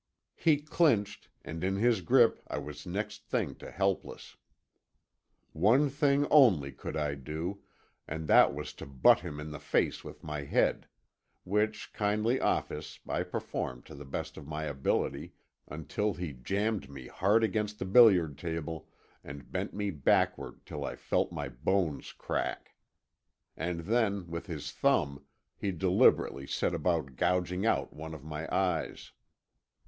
He clinched, and in his grip I was next thing to helpless. One thing only could I do, and that was to butt him in the face with my head—which kindly office I performed to the best of my ability, until he jammed me hard against the billiard table and bent me backward till I felt my bones crack. And then with his thumb he deliberately set about gouging out one of my eyes.